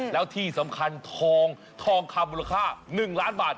แล้วที่สำคัญทองทองคำมูลค่า๑ล้านบาท